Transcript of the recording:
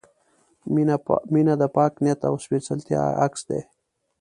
• مینه د پاک نیت او سپېڅلتیا عکس دی.